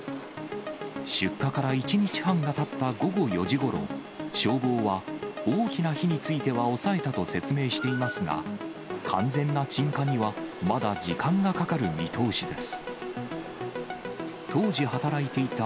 出火から１日半がたった午後４時ごろ、消防は大きな火については抑えたと説明していますが、完全な鎮火にはまだ時間がかかる見通しです。